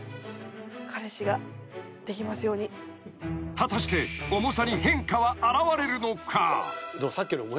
［果たして重さに変化は表れるのか？］